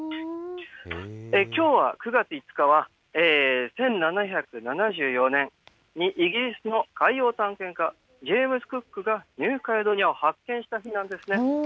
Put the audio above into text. きょう９月５日は、１７７４年にイギリスの海洋探検家、ジェームズ・クックがニューカレドニアを発見した日なんですね。